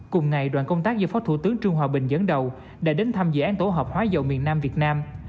cùng ngày đoàn công tác do phó thủ tướng trương hòa bình dẫn đầu đã đến thăm dự án tổ hợp hóa dầu miền nam việt nam